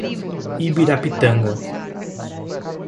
Ibirapitanga